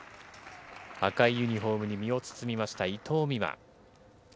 赤いユニホームに身を包みました、伊藤美誠。